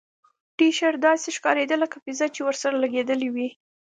ټي شرټ داسې ښکاریده لکه پیزا چې ورسره لګیدلې وي